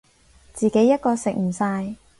自己一個食唔晒